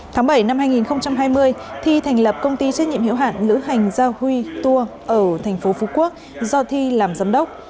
tháng bảy năm hai nghìn hai mươi thi thành lập công ty trách nhiệm hiệu hạn lữ hành giao huy tour ở thành phố phú quốc do thi làm giám đốc